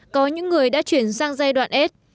có những người đã chuyển sang giai đoạn s